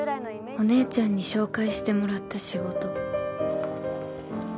お姉ちゃんに紹介してもらった仕事